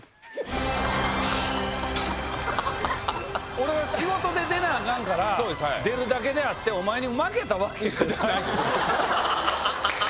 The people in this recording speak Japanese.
「俺は仕事で出なアカンから出るだけであってお前に負けたわけやない」。